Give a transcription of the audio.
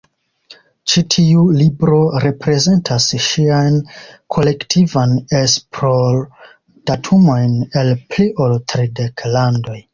Ĉi tiu libro reprezentas ŝian kolektivan esplordatumojn el pli ol tridek landoj.